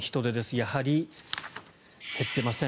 やはり減っていません。